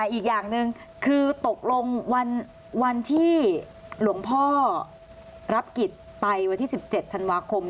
อีกอย่างหนึ่งคือตกลงวันที่หลวงพ่อรับกิจไปวันที่๑๗ธันวาคม